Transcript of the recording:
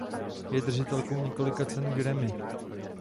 Je držitelkou několika cen Grammy.